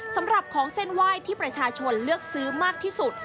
สำหรับของเส้นไหว้ที่ประชาชนเลือกซื้อมากที่สุด